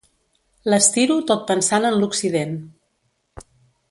L'estiro tot pensant en l'occident.